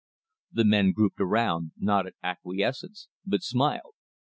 The men grouped around nodded acquiescence, but smiled.